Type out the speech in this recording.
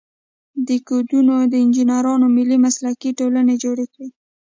دا کودونه د انجینرانو ملي مسلکي ټولنې جوړ کړي.